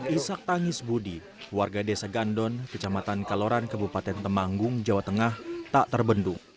isak tangis budi warga desa gandon kecamatan kaloran kebupaten temanggung jawa tengah tak terbendung